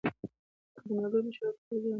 که د ملګرو مشوره ګټوره وي، عمل پرې وکړئ.